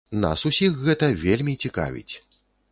Нас усіх гэта вельмі цікавіць.